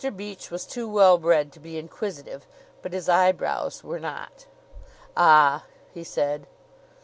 Beach was too well bred to be inquisitive, but his eyebrows were not. "Ah!" he said.